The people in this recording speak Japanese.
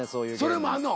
それもあんの？